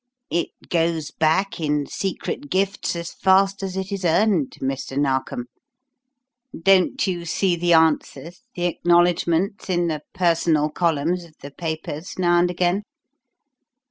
"It goes back, in secret gifts, as fast as it is earned, Mr. Narkom. Don't you see the answers, the acknowledgments, in the 'Personal' columns of the papers now and again?